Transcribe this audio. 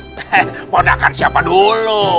he he modakan siapa dulu